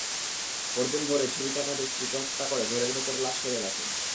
পরদিন ভোরে ছুরিকাঘাতে স্ত্রীকে হত্যা করে ঘরের ভেতর লাশ ফেলে রাখেন।